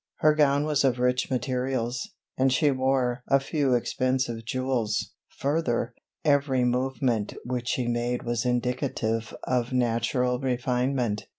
Her gown was of rich materials, and she wore a few expensive jewels; further, every movement which she made was indicative of natural refinement.